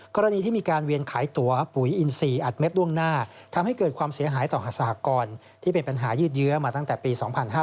กรณีที่มีการเวียนขายตัวปุ๋ยอินทรีย์อัดเม็ดล่วงหน้าทำให้เกิดความเสียหายต่อสหกรที่เป็นปัญหายืดเยื้อมาตั้งแต่ปี๒๕๕๙